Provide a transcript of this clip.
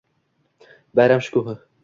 Bayram shukuhi